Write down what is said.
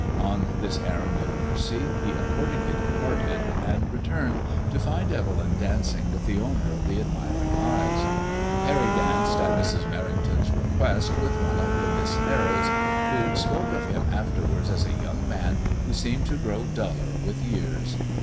On this errand of mercy he accordingly departed, and re turned to find Evelyn dancing with the owner of the admiring eyes. Parry danced at Mrs. Merrington's request with one of the Miss Harolds, who spoke of him afterwards as a young man who seemed to grow duller with years.